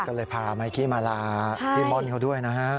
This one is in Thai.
ก็เลยพาไมค์กี้มาลาน้องม่อนเขาด้วยนะครับ